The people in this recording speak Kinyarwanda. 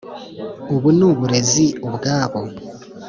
ubu ni uburezi ubwabo.